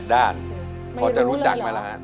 ไม่รู้เลยหรอพอจะรู้จังไปแล้วฮะแบบนี้